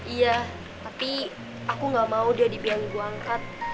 iya tapi aku gak mau dia dibiarkan ibu angkat